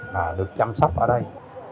và được chăm sóc ở đây